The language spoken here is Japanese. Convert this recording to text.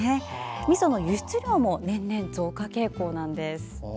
みその輸出量も年々増加傾向なんです。